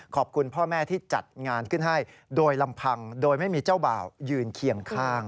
ขอบคุณพ่อแม่ที่จัดงานขึ้นให้โดยลำพังโดยไม่มีเจ้าบ่าวยืนเคียงข้าง